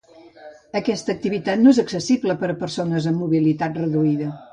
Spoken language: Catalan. Aquesta activitat no és accessible per a persones amb mobilitat reduïda.